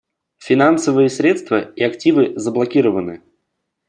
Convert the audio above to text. Финансовые средства и активы заблокированы.